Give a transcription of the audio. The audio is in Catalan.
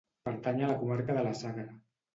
Pertany a la comarca de la Sagra.